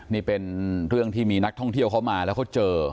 นี่เป็นเรื่องที่มีนักท่องเที่ยวเขามาแล้วเขาเจอ